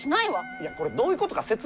いやこれどういうことか説明して！